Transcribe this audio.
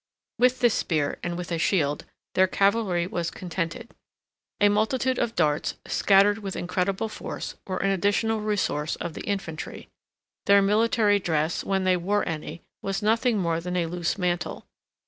With this spear, and with a shield, their cavalry was contented. A multitude of darts, scattered 72 with incredible force, were an additional resource of the infantry. Their military dress, when they wore any, was nothing more than a loose mantle.